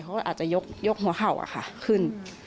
เขาก็อาจจะยกหัวเข่าขึ้น